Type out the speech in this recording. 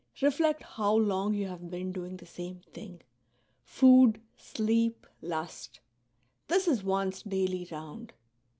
Reflect how long you have been doing the same thing : food, sleep, lust, — this is one's daily round.